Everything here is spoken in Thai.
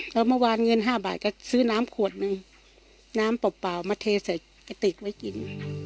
แล้วเมื่อวานเงิน๕บาทก็ซื้อน้ำขวดนึงน้ำเปล่ามาเทใส่กระติกไว้กิน